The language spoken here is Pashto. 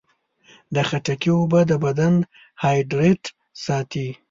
د خټکي اوبه د بدن هایډریټ ساتي.